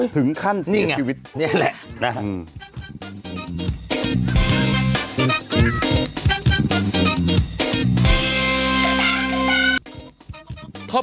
ถึงขั้นเสียชีวิต